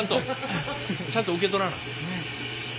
ちゃんと受け取らな。